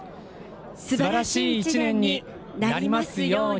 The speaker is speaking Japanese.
すばらしい一年になりますように。